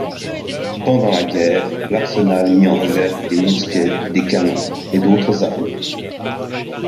Pendant la guerre, l'arsenal mit en réserve des mousquets, des canons et d'autres armes.